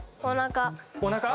おなか。